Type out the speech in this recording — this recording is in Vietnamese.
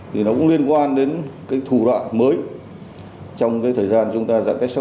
thì nó cũng liên quan đến thủ đoạn mới trong thời gian chúng ta dạng cách xã hội